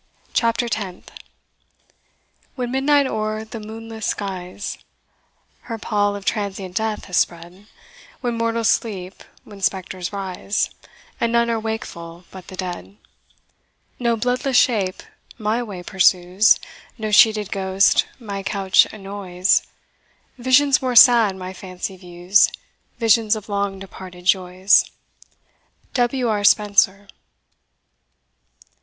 CHAPTER TENTH. When midnight o'er the moonless skies Her pall of transient death has spread, When mortals sleep, when spectres rise, And none are wakeful but the dead; No bloodless shape my way pursues, No sheeted ghost my couch annoys, Visions more sad my fancy views, Visions of long departed joys. W. R. Spenser.